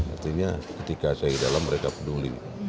artinya ketika saya di dalam mereka peduli